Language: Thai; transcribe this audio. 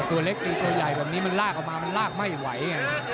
ตัวเล็กตีตัวใหญ่แบบนี้มันลากออกมามันลากไม่ไหว